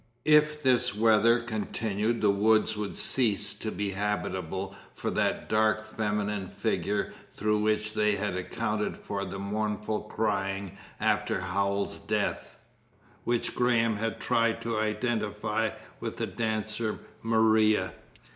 If this weather continued the woods would cease to be habitable for that dark feminine figure through which they had accounted for the mournful crying after Howells's death, which Graham had tried to identify with the dancer, Maria.